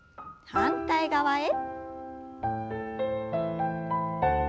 反対側へ。